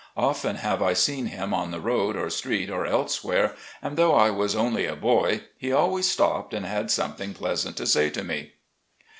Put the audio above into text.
Often have I seen him on the road or street or elsewhere, and though I was 'only a boy,' he always stopped and had something pleasant to say to me."